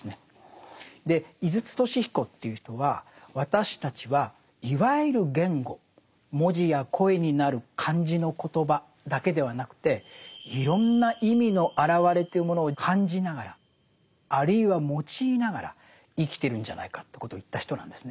で井筒俊彦という人は私たちはいわゆる言語文字や声になる漢字の言葉だけではなくていろんな意味の表れというものを感じながらあるいは用いながら生きてるんじゃないかということを言った人なんですね。